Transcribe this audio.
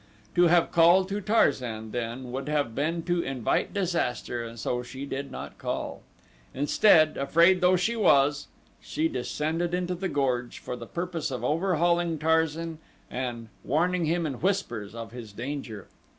To have called to Tarzan, then, would but have been to invite disaster and so she did not call. Instead, afraid though she was, she descended into the gorge for the purpose of overhauling Tarzan and warning him in whispers of his danger.